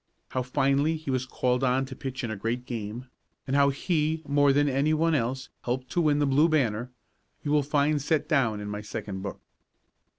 How finally he was called on to pitch in a great game, and how he, more than anyone else, helped to win the Blue Banner, you will find set down in my second book.